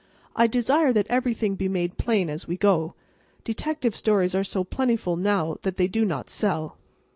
I desire that everything be made plain as we go. Detective stories are so plentiful now that they do not sell.